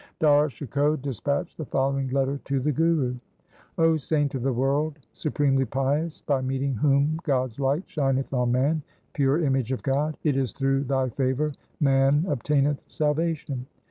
Dara Shikoh dispatched the following letter to the Guru. ' 0 saint of the world, supremely pious, by meeting whom God's light shineth on man, pure image of God, it is through thy favour man obtaineth salvation.